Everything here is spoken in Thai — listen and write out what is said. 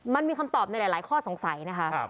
มันมีคำตอบในหลายข้อสงสัยนะคะ